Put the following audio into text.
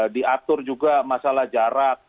diatur juga masalah jarak